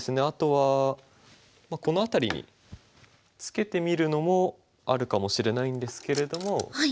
あとはこの辺りにツケてみるのもあるかもしれないんですけれども。